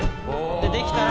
できたら。